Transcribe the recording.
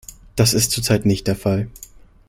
Das ist zurzeit nicht der Fall.